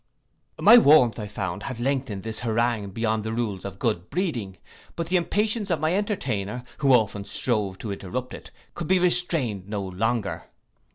My warmth I found had lengthened this harangue beyond the rules of good breeding: but the impatience of my entertainer, who often strove to interrupt it, could be restrained no longer.